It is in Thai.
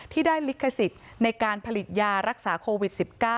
ที่ได้ลิขสิทธิ์ในการผลิตยารักษาโควิด๑๙